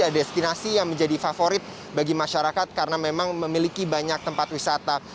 destinasi yang menjadi favorit bagi masyarakat karena memang memiliki banyak tempat wisata